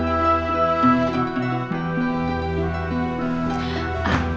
febri ngobrol sama bapak ya